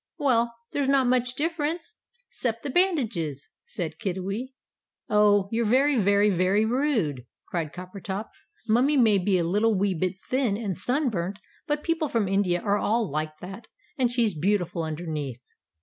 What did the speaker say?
"Well, there's not much difference 'cept the bandages," said Kiddiwee. "Oh! You're very, very, very rude!" cried Coppertop. "Mummie may be a little wee bit thin and sunburnt, but people from India are all like that, and she's beautiful underneath."